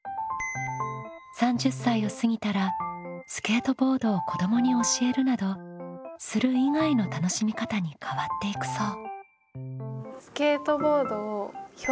３０歳を過ぎたらスケートボードを子どもに教えるなど「する」以外の楽しみ方に変わっていくそう。